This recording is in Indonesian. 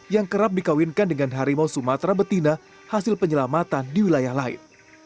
yang kerap dikawinkan dengan harimau sumatera betina hasil penyelamatan di wilayah lain